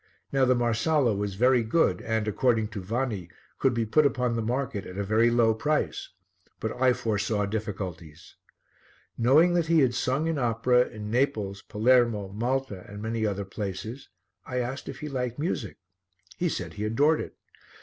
Now the Marsala was very good and, according to Vanni, could be put upon the market at a very low price, but I foresaw difficulties. Knowing that he had sung in opera in Naples, Palermo, Malta and many other places, I asked if he liked music. He said he adored it.